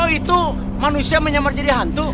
itu manusia menyamar jadi hantu